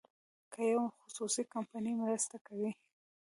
که یوه خصوصي کمپنۍ مرسته کوي.